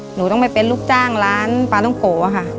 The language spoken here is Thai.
หนูต้องไปเป็นลูกจ้างร้านปลาต้องโกะค่ะ